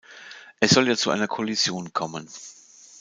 Es soll ja zu einer Kollision kommen.